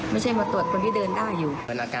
ไม่ใช่มาตรวจคนที่เดินได้อยู่